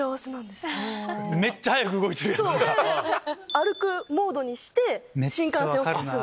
歩くモードにして新幹線は進む。